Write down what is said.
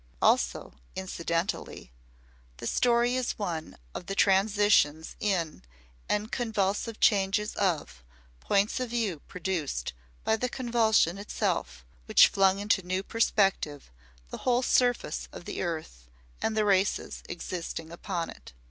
Also incidentally the story is one of the transitions in, and convulsive changes of, points of view produced by the convulsion itself which flung into new perspective the whole surface of the earth and the races existing upon it.